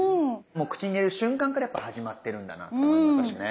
もう口に入れる瞬間からやっぱ始まってるんだなと思いますね。